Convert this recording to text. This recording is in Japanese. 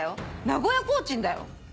名古屋コーチンだよ？